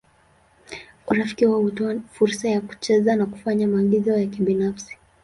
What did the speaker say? Urafiki wao hutoa fursa ya kucheza na kufanya maagizo ya kibinafsi.